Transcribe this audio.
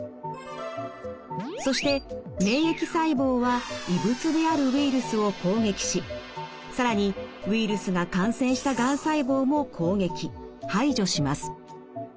そして免疫細胞は異物であるウイルスを攻撃し更にウイルスが感染したがん細胞も攻撃排除します。